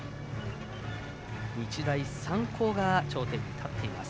日大三高が頂点に立っています。